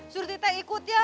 surti teh ikut ya